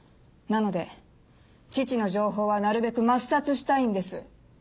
なので父の情報はなるべく抹殺したいんです。